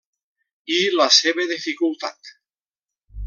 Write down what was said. I la seva dificultat.